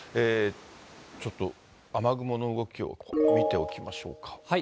ちょっと雨雲の動きを見ておきましょうか。